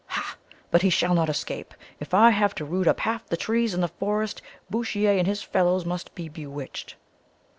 ha! But he shall not escape, if I have to root up half the trees in the forest. Bouchier and his fellows must be bewitched.